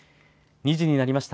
２時になりました。